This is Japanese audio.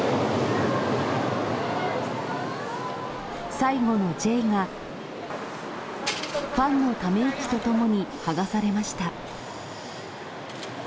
最後のＪが、ファンのため息とともに、剥がされました。